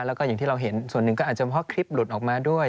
แล้วก็อย่างที่เราเห็นส่วนหนึ่งก็อาจจะเพราะคลิปหลุดออกมาด้วย